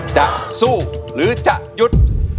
จะสู้หรือจะหยุด